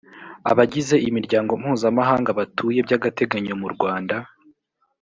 abagize imiryango mpuzamahanga batuye by agateganyo mu rwanda